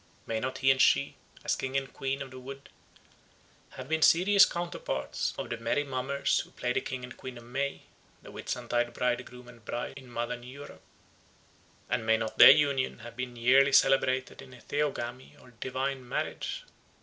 May not he and she, as King and Queen of the Wood, have been serious counterparts of the merry mummers who play the King and Queen of May, the Whitsuntide Bridegroom and Bride in modern Europe? and may not their union have been yearly celebrated in a theogamy or divine marriage?